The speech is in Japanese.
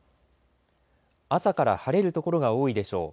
朝から晴れる所が多いでしょう。